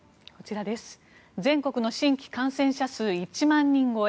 全国の新規感染者数１万人超え。